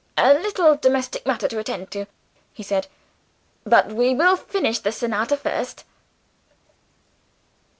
"A little domestic matter to attend to," he said. "But we will finish the sonata first."